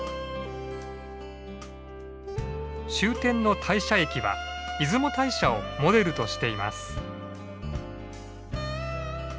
終点の大社駅は出雲大社をモデルとしています。